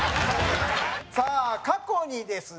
さあ、過去にですね